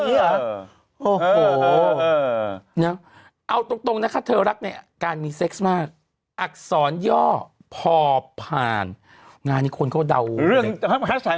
เนี่ยเอาตรงนะคะเธอรักเนี่ยการมีเซ็กซ์มากอักษรย่อพอผ่านงานคนเขาเดา